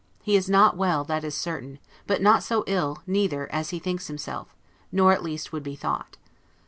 He is not well, that is certain; but not so ill neither as he thinks himself, or at least would be thought.